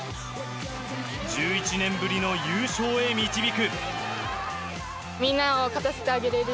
１１年ぶりの優勝へ導く。